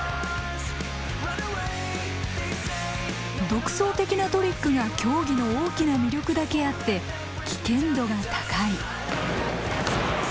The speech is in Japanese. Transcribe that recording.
独創的なトリックが競技の大きな魅力だけあって危険度が高い。